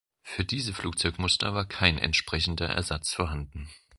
Für diese Flugzeugmuster war kein entsprechender Ersatz vorhanden.